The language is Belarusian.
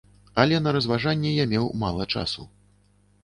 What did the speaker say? Але на разважанні я меў мала часу.